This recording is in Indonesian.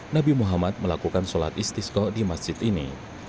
nabi muhammad melakukan sholat istiskoh di masjid ini